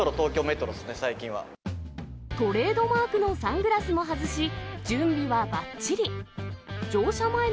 トレードマークのサングラスも外し、準備はばっちり。